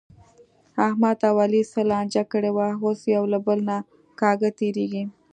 احمد او علي څه لانجه کړې وه، اوس یو له بل نه کاږه تېرېږي.